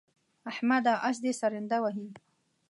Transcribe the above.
احمده! اس دې سرنده وهي.